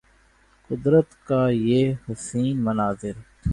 قدرت کے یہ حسین مناظر